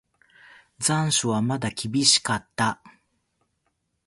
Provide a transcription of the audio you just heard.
残暑はまだ厳しかった。